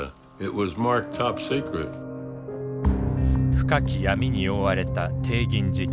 深き闇に覆われた帝銀事件。